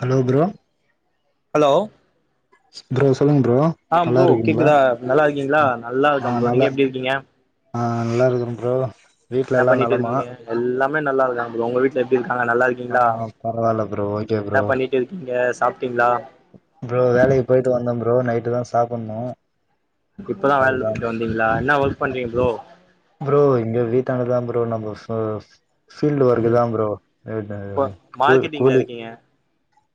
hello bro hello bro சொல்லுங்க bro ஆ நல்லா ப்ரோ இருக்கீங்களா கேக்குதா நல்லா இருக்கீங்ளா நல்லா இருக்கே ஆ ப்ரோ நல்லா நீங்க எப்படி இருக்கீங்க ஆ நல்லா இருக்குற ப்ரோ வீட்ல என்ன எல்லா பண்ணிட்டு நலமா இருக்கீங்க எல்லா மே நல்லா இல்ல உங்க வீட்ல எப்படி ஆஹ் பரவால்ல ப்ரோ ஓகே என்ன ப்ரோ பண்ணிட்டு இருக்கீங்க சாப்ட்டீங்களா ப்ரோ வேலைக்கு போயிட்டு வந்த ப்ரோ நை ட்டுதா சாப்புணு இப்பதா வேலைல விட்டு வந்தீங்ளா என்னா ஒர்க் பண்றீங் ப்ரோ ப்ரோ இங்க வீட்டான்டதா ப்ரோ நம்ப சொ சொ ஃபீல்டு ம் ஒர்குக்குதான் ப்ரோ இப்ப கூ மார்க்கெட்டிங்ல கோடி இருக்கீங்க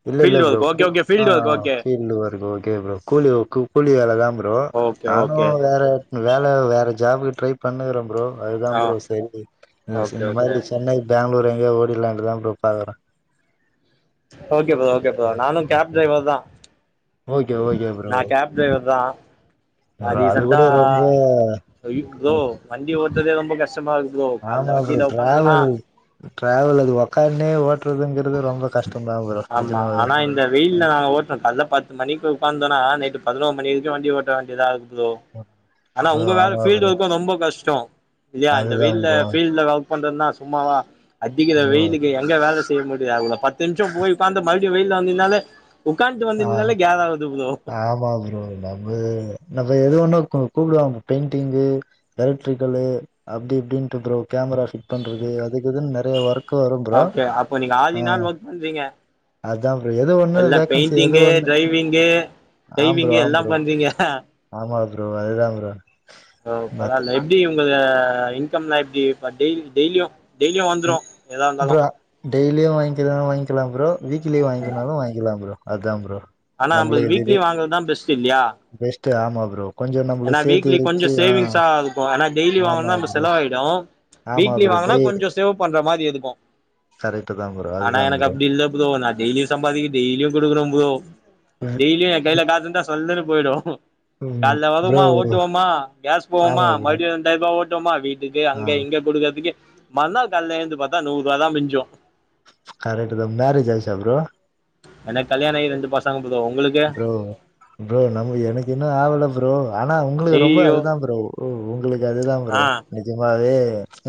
இல்ல இல்ல field bro work okay okay field work ஆஹ் okay field work okay bro கூலி கூலி வேலைதான் ப்ரோ ஓகே நானு ஓகே வேற வேலை வேற ஜாப்க்கு ட்ரை பண்ணிக்கற ப்ரோ அதுதான் ஆ ப்ரோ சரி ஓகே இந்த ஓகே மாரி சென்னை பெங்களூர் அங்கயே ஓடிலாண்டுதான் ப்ரோ பாக்குற ஓகே ப்ரோ ஓகே ப்ரோ நானு கேப் டிரைவர்தா ஓகே ஓகே ப்ரோ நா கேப் டிரைவர்தா நா அது ரீசண்டா கூட ரொம்ப அய்யோ ப்ரோ வண்டி ஓட்டறதே ரொம்ப கஷ் ஆமா ப்ரோ ட்ராவல் ட்ராவல் அது உக்கான்னே ஓட் ஆமா நிஜமாவே ஆனா இந்த வெய்யில்ல நாங்க ஓட்டுறோ கால பத்து மணிக்கு உட்காந்துந்தோனா நைட்டு பதினோரு மணி வரைக்கு வண்டி ஓட் ஓட்ட வேண்டியதாகுது இதோ ஆனா ப்ரோ உங்க வேல ஆமா ஃபீல்டு ப்ரோ ஒர்க்கு ரொம்ப கஷ்டோ இல்லையா இந்த அதுதா வெய்யில்ல ப்ரோ ஃபீல்டுல ஒர்க் ஒர்க் பண்றதுனா சும்மாவா அடிக்கிற ப்ரோ வெய்யிலுக்கு எங்க வேல முடியாவுல பத்து நிமிஷோ போய் உக்காந்து மறுபடி வெய்யில வந்ததுனாலே ஆஹ் ஆமா ப்ரோ நம்ம நம்ம எது ஒண்ணு கூ கூப்பிடுவாங்க பெயிண்டிங்கு எலக்ட்ரிக்கலு அப்படி இப்டின்ட்டு ப்ரோ கேமரா ஃபிட் பண்றது அதுக்கு இதுனு நெறயா ஒர்க வரும் ப்ரோ ஓகே அப்போ நீங்க all uh in all work பண்றீங்க அதுதா ப்ரோ எது ஒண்ணு வேக்கன்சி ட்ங்கு டிரைவிங்கு ஆம் ப்ரோ டைவிங்கு ஆம் எல்லா ப்ரோ பண்றீங்க ஆமா ப்ரோ அதுதா ப்ரோ ஓ மத்த பரவால்ல எப்படி உங்க இன்கம் எல்லா எப்படி டெய்லி டெய்லியு டெய்லியு வந்துரு எதா இருந்தாலு ப்ரோ டெய்லியு வாங்கிதா வாங்கிக்கலா ப்ரோ வீக்லி வாங்கினாலு வாங்கிக்கலா ப்ரோ அதா ப்ரோ ஆனா நம்ப நம்மளுக்கு வீக்லி வாங்கறதா பெஸ்ட் டு இல்லியா டு ஆமா ப்ரோ கொஞ்சோ ஏனா நம்மளுக்கு சேத்து வீக்லி வச்சு கொஞ்சம் ஆ சேவிங்ஸ்ஸா இருக்கு ஏனா டெய்லி ஆமா வாங்குனா நம்ப ப்ரோ செலவாயுடு ஆமா வீக்லி ப்ரோ வாங்குனா டே கொஞ்ச சேவ் பண்ற மாரி இதுக்கு கரெக்ட் தா ப்ரோ ஆனா அதுதா எனக்கு ப்ரோ அப்டி இல்ல ப்ரோ நா டெய்லியு சம்பாதிக்கிது டெய்லியு குடுக்குனு ப்ரோ டெய்லியு எ கையில காசு இருந்தா சொல்லுனு போய்டு ம் ப்ரோ மா ஓட்டுவோமா கேஸ் போவோமா ஆமா ப்ரோ மறுபடி ரெண்டாயிரபா ஓட் வோமா வீட் டுக்கு ஆ அங்க இங்க குடுக்கற்துக்கு மறுநாள் கால்ல எழுந்து பாத்தா நூறுரூபா தா மிஞ்சு கரெக்ட் தா மேரேஜ் ஆயிச்சா ப்ரோ எனக்கு கல்யாண ஆகி ரெண்டு பசங்க ப்ரோ உங்களுக்கு ப்ரோ ப்ரோ நம் எனக்கு இன்னு ஆகல ப் ப்ரோ ஆனா உங்களுக்கு ரொம்ப ஐயயோ அதுதா ப்ரோ உ உங்களுக்கு அதுதா ஆ ப்ரோ நெஜமாவே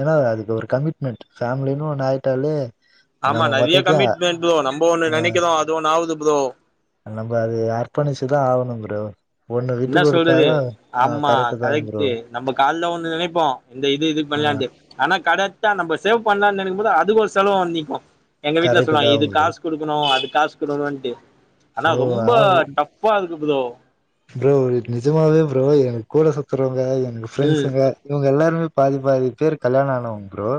ஏன்னா அதுக்கு ஒரு கமிட்மெண்ட் ஃபேமிலின்னு ஒண்ணு ஆயிட்டாலே ஆமா நம்ம நெறைய மொத்தத்தையு கமிட்மெண்ட் ப்ரோ நம்ம ஒன்னு ஆ நெனைக்கிறோ அது ஒன்னு ஆவுது ப்ரோ நம்ம அது அர்ப்பணிச்சுதா ஆகணு ப்ரோ ஒண்ணு விட்டு இன்னா சொல்றது குடுத்தாலு ஆ ஆமா கரெக்ட் தா ப்ரோ கரெக்ட்டு நம்ம கால்ல ஒண்ணு நெனைப்போ இந்த இது இது ஆ பண்லான்ட்டு ஆனா கரெக்டா நம்ம சேவ் பண்ணலானு நெனைக்கும் போ ப்ரோ அதுக்கு ஒரு செலவு வந்து நிக்கு எங்க வீட்டுல கரெக்ட் தா சொல்லுவாங்க இதுக் ப்ரோ காசு குடுக்கணு அதுக் காசு குடுக்கணுன்ட்டு ஆனா ப்ரோ ரொம்ப ஆமா டஃப்பா கு ப்ரோ ஒ நிஜமாவே ப்ரோ எனக்கு கூட சுத்தறவங்க எங்க ம் ஃபிரெண்ட்ஸ்ங்க இவங்க எல்லாருமே பாதி பாதி பேர் கல்யாணம் ஆனவங்க ப்ரோ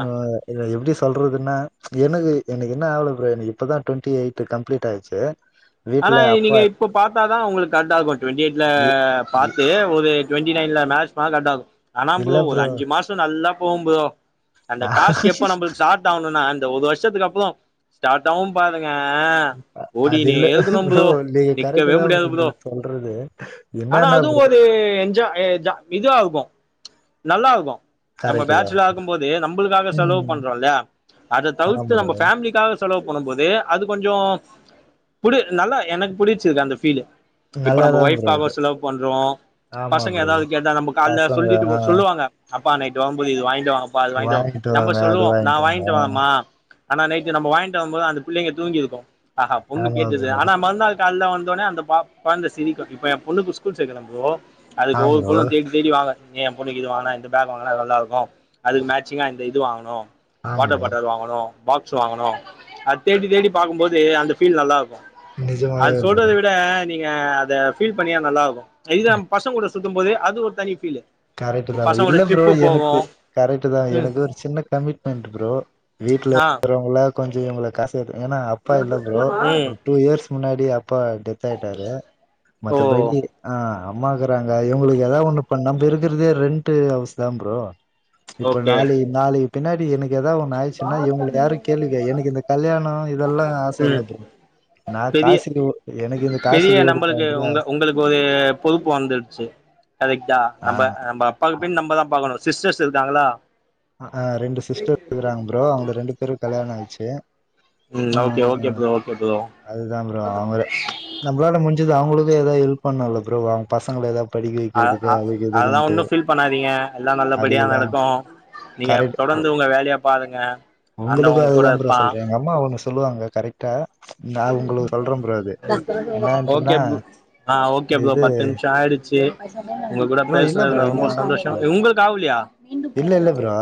ஆ என்னது எப்டி சொல்றதுன்னா எனக்கு எனக்கு இன்னு ஆவல ப்ரோ எனக்கு இப்போ தா டுவெண்ட்டி எயிட் கம்ப்ளீட் ஆச்சு ஆனா நீங்க இப்ப பாத்தாதா உங்களுக் காண்டா பத்து விக்கெட்ல இ இ பாத்து ஒரு ஏ டுவெண்டி நயன்ல மாஸ்னா கட் ஆகு ஆதா ப்ரோ ஒரு அஞ்சு மாச நல்லா போம் போதா அந்த டாஸ்க் எப்ப நம்பளுக்கு சார்ட் ஆணுனா இந்த ஒரு வர்ஷத்துக்கு அப்றோ ஸ்டார்ட் ஆவும் பாருங் க அது ஓடினே இல்ல போ ப்ரோ நீங்க கரெக்ட் நிக்கவே தா முடியாது ப்ரோ நீங்க சொல்றது ஆனா என்னன்னா அதுவு ப்ரோ ஒரு என்ஜா என்ஜா இதுவா இருக்கு நல்லா இருக்கு நம்ம கரெக்ட் தா பேச்சுலரா இருக்கும் போது நம்பளுக்காக செலவு ம் பண்றோல அத ஆமா தவிர்த்து ப்ரோ நம்ம ஃபேம்லிக்காக செலவு பண்ணம்போது அது கொஞ்சோ புடி நல்லா எனக்கு புடிச்சிது அந்த ஃபீலு இப்ப நம்ப நல்லாதா ப்ரோ ஃவைப்காக இருக்கு ஒரு செலவு பண்றோ ஆமா பசங்க ப்ரோ எதாது கேட்டா நம்ப கால்ல பசங்க சொங்கிட்டு ஆ போக சொல்லுவாங்க அப்பா நைட்டு வரும் போது இது வாங் கிட்டுவாப்பா அது வாங்கிட்டுவா வாங்கிட்டு நம்ப வாங்க அது சொல்லுவோ நா வாங்கிட்டு வாங்க வாய்ன்ட்டு வரம்மா ஆனா நைட்டு நம்ப வாங்கிட்டு வரும் போது அந்த பிள்ளைங்க தூங்கிருக்கு ஆஹா பொண்ணுக் ஆமா கேக்குது ப்ரோ ஆனா மறுநாள் கால்ல வந்தோனே அந்த பாப் கொழந்த சிரிக்கு இப்ப எ பொண்ணுக்கு ஸ்கூல் சேக்ரே ப்ரோ அதுக்கு ஆ ஒவ்வொரு ப்ரோ பொருளு தேடி தேடி வாங்க என் பொண்ணுக்கு இது வாங்குனா இந்த பேக் வாங்கனா நல்லா இருக்கு அதுக்கு மேச்சிங்கா இந்த இது வாங்கணு ஆ வாட்டர் ப்ரோ பாட்டில் வாங்கணு பாக்ஸ் வாங்கணு அது தேடி தேடி பாக்கும்போது அந்த ஃபீல் நல்லா இருக் அது நிஜமாவே ப்ரோ சொல்றத விட நீங்க அத ஃபீல் பண்ணினா நல்லா இருக்கு எல்லாம் பசங்களுடைய சுத்தும் போது அது ஒரு தனி ஃபீலு கரெக்ட்டு தா பசங்க கூட இல்ல ப்ரோ ட்ரிப்பு எனக்கு போவோம் கரெக்ட்டு தா ம் எனக்கு ஒரு சின்ன கமிட்மெண்ட்டு ப்ரோ வீட்ல ஆ இருக்றவங்கள கொஞ்ச எவ்ளோ காசு எடு ஏனா அப்பா இல்ல ப்ரோ ம் ஒரு டூ இயர்ஸ் முன்னாடி அப் பா டெத் ஆயிட்டாரு ஓ மத்த படி ஆஹ் ஆம்மாக்கு இப்ப இவங்களுக்கு ஏதா ஒன்னு பண்ணாம நம்ம இருக்கறதே ரெண்ட் ஹவுஸ் தான் ப்ரோ இப்ப ஓகே நாலி நாலி பின்னாடி எனக்கு ஏதா ஒன்னு ஆயிடுச்சுன்னா இவங்களுக்கு யாரு கேள்விக்கா எனக்கு இந்த கல்யாண இதெல்லா ஆச இல்ல ம் ப்ரோ நா பெரிய காசி எனக்கு இந்த பெரிய காசி நம்மளுக்கு ஓடுலன்றது உங்க ஆச உங்களுக்கு ஒரு ட்டா நம்ம நம் அப்பாக்கு பின் நம்ப தா பாக்கணு சிஸ்டர்ஸ் இருக்காங்களா ஆ ஆ ரெண்டு சிஸ்டர் றாங்க ப்ரோ அவங்க ரெண்டு பேரும் கல்யாண ஆச்சு ம் ஆ okay okay bro okay bro அதுதா ப்ரோ அவங்க நம்மளால முடிஞ் அவங்களுக்கு ஏதாவது ஹெல்ப் பண்ணல ப்ரோ அவங்க பசங்களை ஏதாவது அ அ அதலா ஒன்னும் ஃபீல் பண்ணாதீங்க எல்லா நல்லபடியா அதுக்குதா நடக்கு நீங்க கரெக்ட் தொடர்ந்து உங்க வேலைய பாருங்க ஆண்டவன் உங்களுக்கு உங்க கூட அதுதா ப்ரோ இருப்பான் சொல்ற எங்க அம்மா ஒன்னு சொல்லுவாங்க கரெக்டா நா உங்களுக்கு சொல்றே ப்ரோ அது ஓகே என்னான்ட்டுன்னா ப் ஆ ஓகே ப்ரோ இது பத்து நிமிஷ ஆயிடுச்சு உங்க கூட ப்ரோ இல்ல பேச ப்ரோ இன்னு ரொம்ப ஆகல சந்தோஷோ ப்ரோ உங்களுக்கு ஆவளையா இல்ல இல்ல ப்ரோ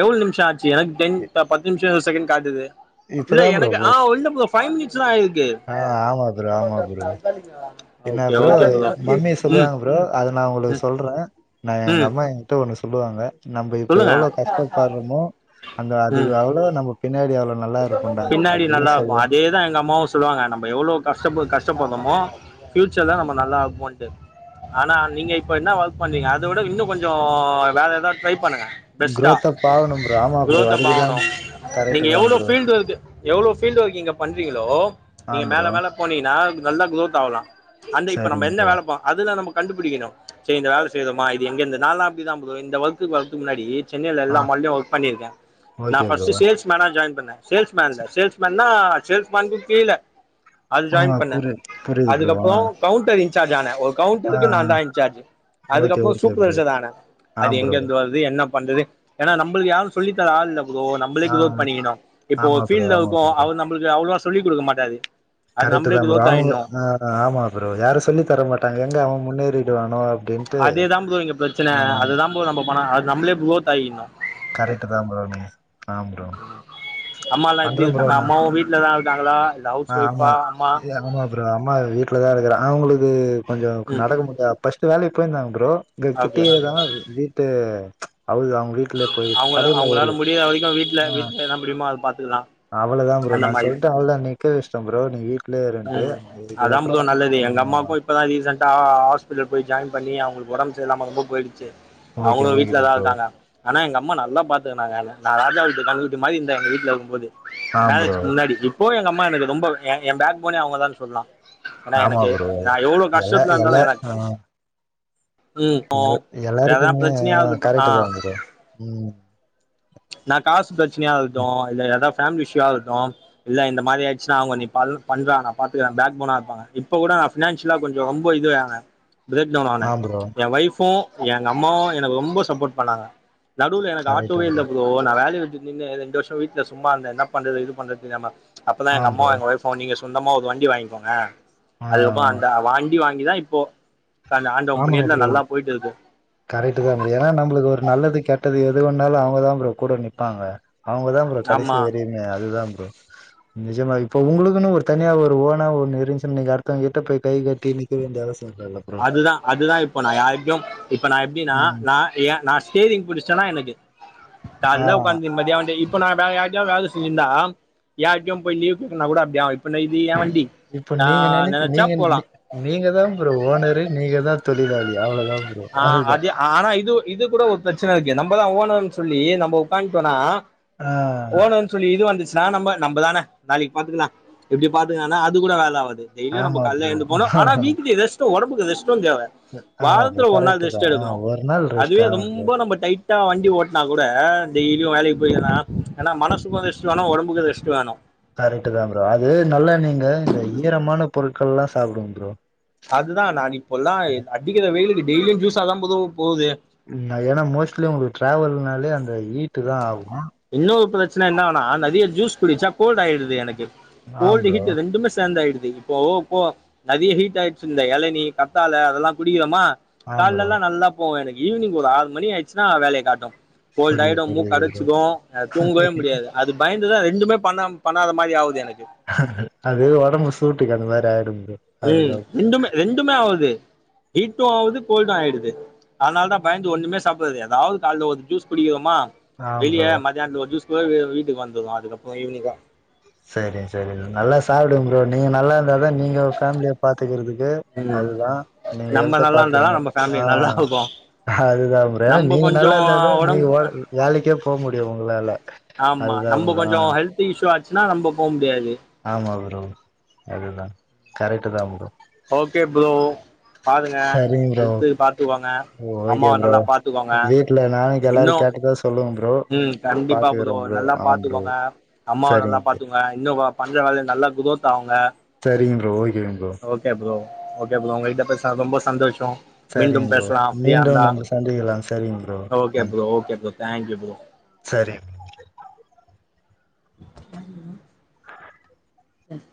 எவ்வளவு நிமிஷம் ஆச்சு எனக்கு டென் பத்து நிமிஷ காட்டுது இல்ல இப்பதா ப்ரோ எனக்கு ஆ [unintelligible] இல்ல ப்ரோ ஃபைவ் மினிட்ஸ் தா ஆயிருக்கு ஆ ஆமா ப்ரோ ஆமா ப்ரோ என்ன ஓகே ப்ரோ ஓகே மம்மி ம் சொல்லுவாங்க ப்ரோ அது நா உங்களுக்கு ம் சொல்ற நா எங்க ம் அம்மா என்கிட்ட ஒண்ணு சொல்லுவாங்க நம்ம இப்ப சொல்லுங்க எவ்ளோ கஷ்டப்படுறோமோ அங்க ம் அதிகளவுள நம்ம பின்னாடி எவ்ளோ பின்னாடி நல்லா இருப்ப அதேதா எங்க அம்மாவு சொல்லுவாங்க நம்ம எவ்ளோ கஷ்ட ப கஷ்ட படுறோமோ பியூச்சர்ல நம்ம நல்லா ஆனா நீங்க இப்ப என்ன ஒர்க் பண்றீங்க அத விட இன்னு கொஞ்சோ வேற ஏதாவது ட்ரை பண்ணுங்க பெஸ்ட்டா குரோத்தப் ஆவணும் ப்ரோ ஆமா ப்ரோ அதுக்குதா குரோத்தபாகனு கரெக்ட் நீங்க தா எவ்ளோ ப்ரோ ஃபீல்டு ஒர்க் எவ்ளோ ஃபீல்டு்ஒர்கிங்க பண்றீங்களோ ஆ நீங்க மேல ப்ரோ மேல போனீங்கன்னா நல்லா குரோத் ஆகலாம் அந்த இப்ப நம்ம சரிங்க என்ன ப்ரோ வேலைப்பா அதுல நமக்கு கண்டுபிடிக்கும் செரி இந்த வேலை செய்றோமா இது எங்கிருந்து நாலாம் அப்டிதான் இந்த ஒர்க் வர்றதுக்கு முன்னாடி சென்னனல ஆ எல்லாம் மால்லையும் ஒர்க் பண்ணிருக்கன் நான் ஓகே ப்ரோ ஃபர்ஸ்ட் சேல்ஸ் மேனா ஜாயின் பண்ணே சேல்ஸ்மேன் தான் சேல்ஸ் மேன் என்ன சேல்ஸ் மேன்கு கீழ அது ஆ ஜாயின் பண்ண புரி புரியுது ப்ரோ ஆ அதுக்கப்புறம் கவுண்டரி இன்ஜார்ஜ் ஆன ஓ ஆ கவுண்டருக்கு நான் தான் இன்சார்ஜ் ஓகே அதுக்கப்புறம் ஓகே ப்ரோ சூப்பர்வேசர் தான ஆ அது எங்க ப்ரோ இருந்து வருது என்ன வந்தது ஏனா நம்மளுக்கு யாரும் சொல்லித்தரா ப்ரோ நம்மளே ஆ கிரௌத் பண்ணிக்கணும் இப்போ ஆமா ஒரு ப்ரோ ஃபீல்ட் ஆமா அவுக்கோ ப்ரோ அவ நமளுக்கு அவ்வளவா சொல்லி கொடுக்க மாட்டாது கரெக்ட் தான் ப்ரோ அவங்க் ஆமா ப்ரோ யாரும் சொல்லி தர மாட்டாங்க எங்க அவ முன்னேறி அதேதான் ஃப்ரோ இங்க பிரச்சனை ஆ அதுதான் ஃப்ரோ நம்ம பணம் அது நம்மளே குரோத் ஆயிரணும் கரெக்ட் தான் ஃப்ரோ நீங்க ஆ ப்ரோ அம்மாலாம் எப்படி பண்றே ப்ரோ இருக்காங்க நா அம்மாவும் வீட்டு்லதான் இருக்காங்களா இல்ல ஆ ஹவுஸ் ஆமா ஒய்ஃபா அம்மா ஏ, ஆமா ப்ரோ அம்மா வீட்டில் தான் இருக்கிற அவங்களுக்கு கொஞ்சம் ம் நடக்க முடியாது ஃபர்ஸ் ட் வேலைக்கு போயிருந்தாங்க ப்ரோ இங்க ஓகே கிட்டேயதான் வீட்டு அவது அவங்க வீட்டுல அவங்க அவங்களால முடியாத வரைக்கும் வீடல வீட்டுல என்ன முடியுதோ அதது பாத் அவ்ளதான் ப்ரோ நான் சொல்லட்டு அவளதான் நிக்கவச்சுடேன் ஃப்ரோ நீ வீட்டுல உஹம் அதான் ஃப்ரோ நல்லது எங்க அம்மாக்கும் இப்பதான் ரீசெண்டா ஹாஸ்பிடல் போய் ஜாயின் பண்ணி அவங்க உடம்பு சரியில்லாம ரொம்ப போயிடுச்சு ஓகே அவங்களும் ஓகே வீட்டு்ல தா ப்ரோ இருக்காங்க ஆனா எங்க அம்மா நல்லா பாத்துக்கனாங்க என்ன நான் ராஜா வீட்டு கன்னுகுட்டி மாறி இருந்தேங்க வீட்டுல இருக்கும் போது ஆ ப்ரோ மேரேஜ்கு முன்னாடி இப்போ எங்க எனக்கு ரொம்ப என் பே போன அவங்கதா சொன்னா ஏன்னா ஆமா எனக்கு ப்ரோ நா எவ்வளவு கஷ்டத்துல இருந்தாலு எனக்கு ம் எ எதனா எல்லாருக்குமே பிரச்சனையா இருக்கட்டு கரக்ட தா ஆ ப்ரோ உம் நா காச பிரச்சனையா இருக்கட்டும் இல்ல எட பேமிலி இஷயூவா இருக்கட்டும் இல்ல இந்த மாதிரி ஆய்டுச்சுனா அவங்க நீ பண்றா நா பாத்துக்க பேக் போனா இருப்பாங்க இப்ப கூட நா பைனான்சியல்லா கொஞ்சம் ரொம்ப இதுவோங்க பிரேக்டவுன் ஆன ஆ ப்ரோ என் வை ஃபும் எங்க அம்மாவு எனக்கு ரொம்ப சப்போர்ட் பண்ணாங்க நடுல எனக்கு கரெக்ட் ஆட்டோவே இல் ப்ரோ நா வேலை விட்டு நின்னு ரெண்டு வருஷம் வீட்டுல சும்மா இருந்த என்ன பண்றது இது பண்றது தெரியாம அப்பதா ஆ எங்க ப்ரோ அம்மாவும் எங்க வைஃபும் நீங்க சொந்தமா ஒரு வண்டி வாங்கிக்கோங்க ஆ அதுக்கப்புறம் அந்த வாண்டி வாங்கி தா இப்போ அந்த ஆண்டவ ஆமாங் புண்ணியத்துல ப்ரோ நல்லா போயிட்டு இருக்கு கரெக்ட்தாங் ஏன்னா நம்மளுக்கு ஒரு நல்லது கெட் டது எது வந்தாலு அவங்கதா ப்ரோ கூட நிப்பாங்க அவங்கதா ப்ரோ கடைசி ஆமா வரியுமே அதுதா ப் ரோ நிஜமா இப்ப உங்களுக்குனு ஒரு தனியா ஒரு ஓனா ஒண்ணு இருந்ச்சினு நீங்க அடுத்தவன்கிட்ட போய் கை கட்டி நிக்க வேண்டிய அவசிய இல்லல்ல ப்ரோ அதுதா இப்ப நா யாருகிட்டியு இப்ப நா எப்படினா ம் நா எ நா ஸ்டேரிங் புடிச்சுட்டனா எனக்கு ஆ கால்ல உக்காந்து நிம்மதியா வண்டிய இப்ப நா வேற யார்டயு வேல செஞ்சிருந்தா யார்ட்டியு போய் லீவ் கேக்னுனா கூட அப்டி ஆவு இப்ப இது எ வண் இப்ப நீங்க நெனச்சு நீங்க நீங்கதா ப்ரோ ஓனரு நீங்கதா தொழிலாளி அவ்ளோதா ப்ரோ ஆ அதுதா அது ஆனா இது இது கூட பிரச் சன இருக்கு நம்பதா ஓனர்னு சொல்லி நம்ப உக்காந்ட்டோனா ஆ ஓனர்னு சொல்லி இது வந்துச் சினா நம்ப நம்பதான நாளைக்கு பாத்துக்கலா எப்டி பாத்துக்கலானா அது கூட வேல ஆவாது டெய்லி நம்ப ஆமா கால்ல ப்ரோ எழுந்து போனு ஆனா வீட்டுக்கு எதாச்சினா ஒடம்பு [unintelligible] சவ ஆமா வாங் ப்ரோ ஒரு நாள் கரெக்ட் தா ரெஸ்ட் ஆ எடுக்கறோ ஒரு நாள் ரெஸ்ட் அதுவே ஆமா ப்ரோ ரொம்ப நம்ம டைட்டா வண்டி ஓட்னா கூட டெய்லியு வேலைக்கு போய்க்கிலா ஆனா மனசுக்கு ரெஸ்ட் வேணு ஒடம்புக்கு ரெஸ்ட் வேணு கரெட்டு தா ப்ரோ அது நல்லா நீ ங்க இந்த ஈரமான பொருட்கள் எல்லா சாப்புடுங்க ப்ரோ அதுதா நான் இப்பொ எல்லா எ அடிக்கிற வேயிலுக்கு டெய்லியு ஜூஸ் ஆ தா ப்ரோ அது ஏன்னா மோஸ்ட்லி உங்களுக்கு டிராவல்னாலே அந் த ஈட்டு தா ஆகு இன்னொரு பிரச்சன என்னனா நெறய ஜூஸ் குடிச்சா கோல்டு ஆயிடுது எனக்கு ஆ கோல்டு ப்ரோ ஹுட் ரெண்டுமே சேர்ந்து ஆயிடு இப்போ இப்போ நெறய ஹீட் ஆயிடுச்சி இந்த எளநி கத்தால அதெலா குடிக்கிறோமா ஆ கால்ல ப்ரோ எல்லா நல்லா போவு எனக் ஈவினிங் ஒரு ஆறு மணி ஆய்ச்சினா வேலய காட்டு கோல்ட் புரியுது ஆயிடு மூக்கு புரியுது ப்ரோ அடச்சுடூ தூங்கவே முடியாது அது பயந்துதா ரெண்டுமே பண்ணம் பண்ணாத மாரி ஆவுது எனக் அது ஒடம்பு சூட்டுக்கு அந்த மாரி ஆய் உம் ரெண்டுமே ரெண்டுமே ஆவுது ஹீட்டு ஆவுது கோல்டு ஆயிடுது அதனால தா பயந்து ஒண்ணுமே சாப்பிடுறது ஏதாவது காலைல ஒரு ஜூஸ் குடிக்கிறோமா ஆ ப்ரோ வெளிய மதியானத்து ஒரு ஜுஸ் எப்பொ ஆவது வீட்டுக்கு வந்துரு அதுக்கப்றோ ஈவினிங்தா சரி சரி நல்லா சாப்டுங்க ப்ரோ நீங்க நல்லா இருந்தாத நீங்க ஃபேமிலிய பாத்துக்கறதுக்கு ம் அதுதா நீங்க நம்ம ஹெல்த நல்லா இருந்தாதா பாத்துகுங்க நம்ம ஃபேமிலி நல்லா ஆஹ் இருக்கு அதுதா ப்ரோ ஏனா நம்ம நீங்க கொஞ்சோ நல்லா இருந்தாதா நீங்க வே ஒடம்பு வேலைக்கே போ முடியு உங்களால அதுதா ப்ரோ ஆஹ் ச்சுனா நம்ப போம் முடியாது ப்ரோ அதுதா கரக்ட் தா ப்ரோ ஓகே புரோ பாருங்க சரிங்க ப்ரோ ஹெல்து பாத்துக்கோங்க ஓகே அம்மாவ ப்ரோ நல்லா பாத்துக்கோங்க வீட்ல நாளைக்கு எல்லாரு இன்னு கேட்டதா சொல்லுங்க ப்ரோ உம் கண்டிப்பா ப்ரோ பாத்துக்கறே நல்லா ஆ ப்ரோ பாத்துக்கோங்க அம்மாவ நல்லா சரிங்க ப்ரோ பாத்துக்கோங்க இன்னு நா பண்ற வேலய நல்லா குரோத் அவுங்க ம் ப்ரோ இ ஓகே ப்ரோ ஓகே ப்ரோ உங்ககிட்ட பேசுனதுல ரொம்ப சந்தோஷ் சரிங்க் ப்ரோ மீண்டும் நம்ம சந்திக்கலா சரிங்க ப்ரோ ஓகே நன்றி bro okay bro thank you bro சரிங் ம் ம் உஹ்